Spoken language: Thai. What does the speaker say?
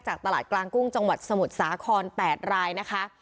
ตลาดกลางกุ้งจังหวัดสมุทรสาคร๘รายนะคะ